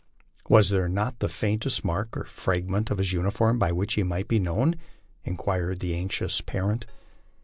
" Was there not the faintest mark or fragment of his uni LIFE ON THE PLAINS. 103 form by which he might be known?" inquired the anxious parent.